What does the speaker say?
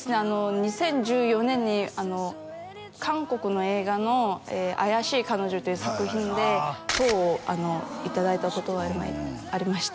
２０１４年に韓国の映画の「怪しい彼女」という作品で賞をいただいたことはありました